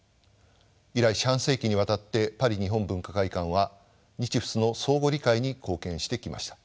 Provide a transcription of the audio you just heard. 以来四半世紀にわたってパリ日本文化会館は日仏の相互理解に貢献してきました。